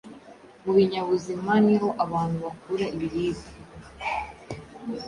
Mu binyabuzima ni ho abantu bakura ibiribwa,